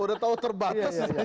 udah tahu terbatas